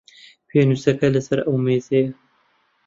پێنووسەکە لە سەر ئەو مێزەیە.